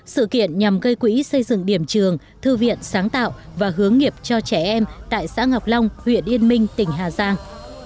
sự kiện nhằm gây quỹ xây dựng điểm trường thư viện sáng tạo và hướng nghiệp cho trẻ em tại xã ngọc long huyện yên minh tỉnh hà giang